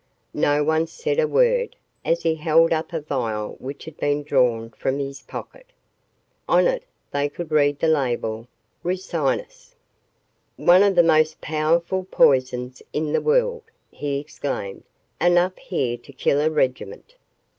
No one said a word, as he held up a vial which he had drawn from his pocket. On it they could read the label, "Ricinus." "One of the most powerful poisons in the world!" he exclaimed. "Enough here to kill a regiment!"